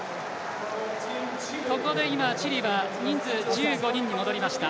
ここで今、チリは人数１５人に戻りました。